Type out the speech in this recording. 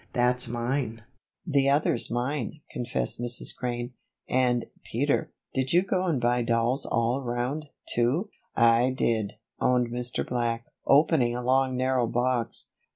"That's mine." "The other's mine," confessed Mrs. Crane. "And, Peter, did you go and buy dolls all around, too?" "I did," owned Mr. Black, opening a long narrow box.